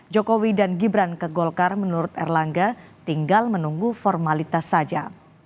jokowi dan gibran ke golkar menurut erlangga tinggal menunggu formalitas saja